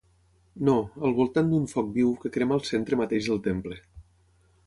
No, al voltant d'un foc viu que crema al centre mateix del temple.